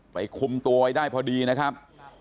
คุมตัวไว้ได้พอดีนะครับ